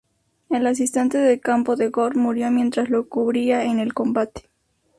El asistente de campo de Gort murió mientras lo cubría en el combate.